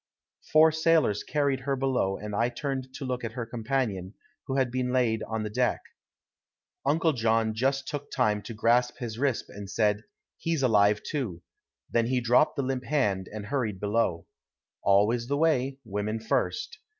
Four sailors carried her below and I turned to look at her companion, who had been laid on the deck. Uncle John just took time to grasp his wrist and said, "He's alive, too"; then he dropped the limp hand and hurried below. Always the way. Women first.